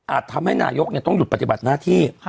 ทำให้นายกต้องหยุดปฏิบัติหน้าที่